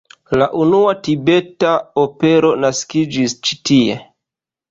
La unua tibeta opero naskiĝis ĉi tie.